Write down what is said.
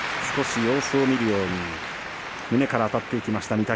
少し様子を見るように胸からあたっていきました。